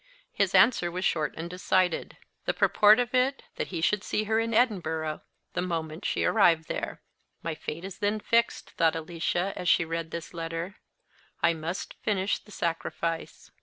His answer was short and decided; the purport of it, that he should see her in Edinburgh the moment she arrived there. "My fate then is fixed," thought Alicia, as she read this letter; "I must finish the sacrifice."